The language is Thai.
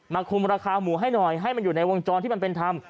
คุมราคาหมูให้หน่อยให้มันอยู่ในวงจรที่มันเป็นธรรม